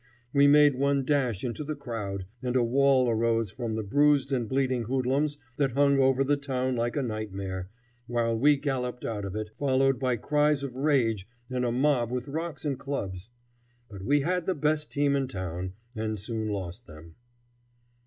We made one dash into the crowd, and a wail arose from the bruised and bleeding hoodlums that hung over the town like a nightmare, while we galloped out of it, followed by cries of rage and a mob with rocks and clubs. But we had the best team in town, and soon lost them.